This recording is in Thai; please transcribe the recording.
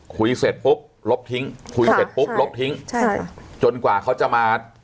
เสร็จปุ๊บลบทิ้งคุยเสร็จปุ๊บลบทิ้งใช่จนกว่าเขาจะมา